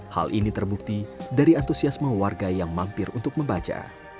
hal ini terbukti dari antusiasme warga yang mampir untuk membaca